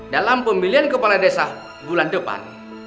dalam pemilihan kepala desa bulan depan